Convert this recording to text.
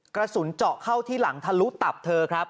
กระสุนเจาะเข้าที่หลังทะลุตับเธอครับ